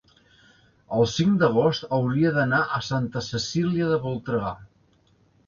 el cinc d'agost hauria d'anar a Santa Cecília de Voltregà.